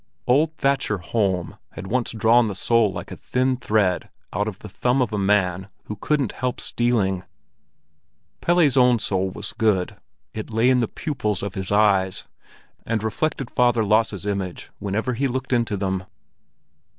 Old thatcher Holm had once drawn the soul like a thin thread out of the thumb of a man who couldn't help stealing. Pelle's own soul was good; it lay in the pupils of his eyes, and reflected Father Lasse's image whenever he looked into them.